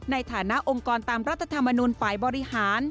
ในฐานะองค์กรตามรัฐธรรมนุนฝ่ายบริหาร